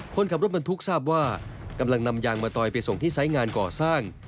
คนขับรถบรรทุกทราบว่ากำลังนำยางมะตอยไปส่งที่ไซส์งานก่อสร้าง